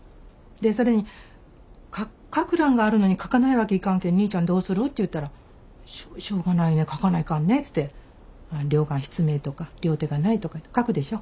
それに書く欄があるのに書かないわけいかんけん「兄ちゃんどうする？」って言うたら「しょうがないね書かないかんね」っつってとかいって書くでしょ。